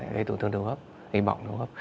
gây tổn thương đường hô hấp gây bỏng đường hô hấp